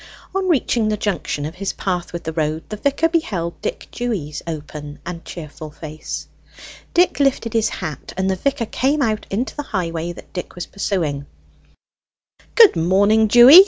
On reaching the junction of his path with the road, the vicar beheld Dick Dewy's open and cheerful face. Dick lifted his hat, and the vicar came out into the highway that Dick was pursuing. "Good morning, Dewy.